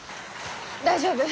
大丈夫。